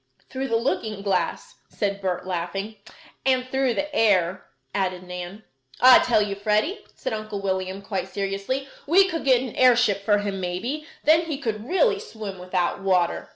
"Through the looking glass!" said Bert, laughing. "And through the air," added Nan. "I tell you, Freddie," said Uncle William, quite seriously: "we could get an airship for him maybe; then he could really swim without water."